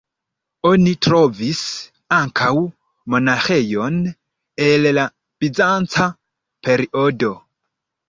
Oni trovis ankaŭ monaĥejon el la bizanca periodo.